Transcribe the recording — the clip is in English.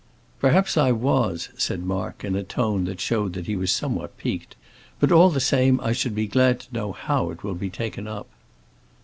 "Perhaps I was," said Mark, in a tone that showed that he was somewhat piqued. "But all the same I should be glad to know how it will be taken up."